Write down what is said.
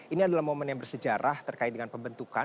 ini adalah momen yang bersejarah terkait dengan pembentukan